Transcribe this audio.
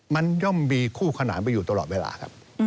มันย่อมมีคู่ขนานไปอยู่ตลอดเวลาครับ